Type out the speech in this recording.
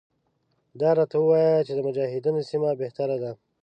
ده راته وویل چې د مجاهدینو سیمه بهتره ده.